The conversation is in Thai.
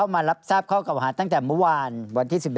มารับทราบข้อเก่าหาตั้งแต่เมื่อวานวันที่๑๑